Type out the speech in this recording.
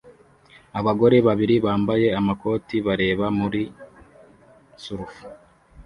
Abagore babiri bambaye amakoti bareba muri surf